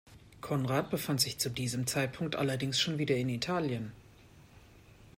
Konrad befand sich zu diesem Zeitpunkt allerdings schon wieder in Italien.